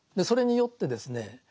それによってですね